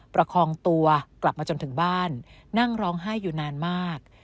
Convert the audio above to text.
ประคองตัวกลับมาจนถึงบ้านนั่งร้องไห้อยู่นานมาก